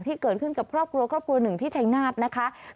ที่เกิดขึ้นกับครอบครัวครอบครัวหนึ่งที่ชายนาฏนะคะ